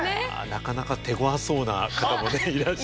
なかなか手ごわそうな方もねいらっしゃいます。